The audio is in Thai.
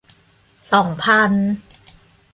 สองพัน